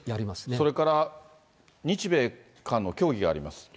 それから、日米韓の協議があります。